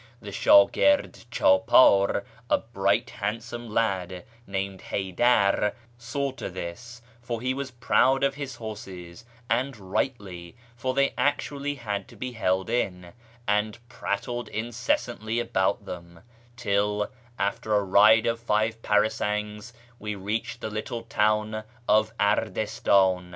The shwjird cJidqydr, a bn\ii, lit liand some lad named Haydar, saw to tliis ; for lie was proud of his horses (and rightly, for they actually had to be held in), and prattled incessantly about them, till, after a ride of five para sangs, we reached the little town of Ardistan.